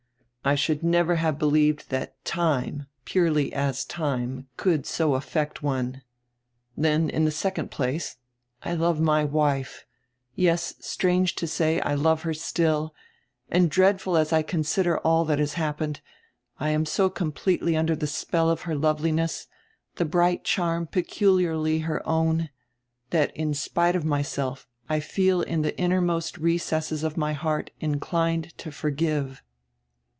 I never should have believed that time, purely as time, could so affect one. Then, in the second place, I love my wife, yes, strange to say, I love her still, and dreadful as I consider all diat has happened, I am so completely under die spell of her loveliness, die bright charm peculiarly her own, that in spite of myself I feel in the innermost recesses of my heart inclined to forgive."